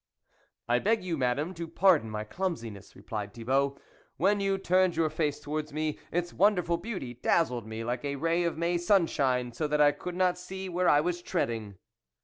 " I beg you, Madame, to pardon my clumsiness," replied Thibault ;" when you turned your face towards me, its wonderful beauty dazzled me like a ray of May sun shine, so that I could not see where I was treading."